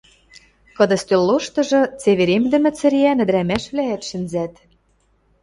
Кыды стӧл лоштыжы цеверемдӹмӹ цӹреӓн ӹдӹрӓмӓшвлӓӓт шӹнзӓт.